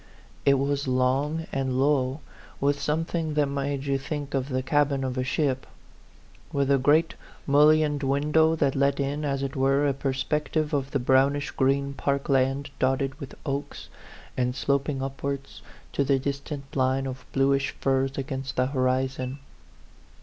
It was long and low, with something that made you think of the cabin of a ship, with a great mullioned window that let in, as it were, a perspective of the brownish green park land, dotted with A PHANTOM LOVER 59 oaks, and sloping upwards to the distant line of bluish firs against the horizon.